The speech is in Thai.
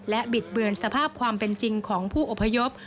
บิดเบือนสภาพความเป็นจริงของผู้อพยพ